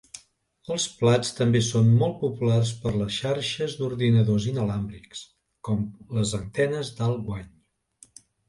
Els plats també són molt populars per a xarxes d'ordinadors inalàmbrics, com les antenes d'alt guany.